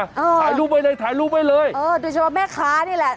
เออถ่ายรูปไว้เลยถ่ายรูปไว้เลยเออดูชอบแม่คะนี่แหละ